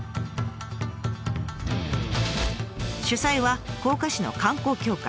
主催は甲賀市の観光協会。